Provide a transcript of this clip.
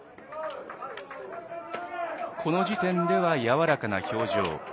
この時点ではやわらかな表情。